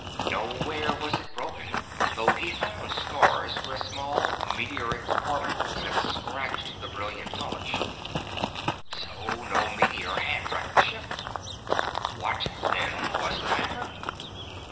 Nowhere was it broken, though he found scars where small meteoric particles had scratched the brilliant polish. So no meteor had wrecked the ship. What, then, was the matter?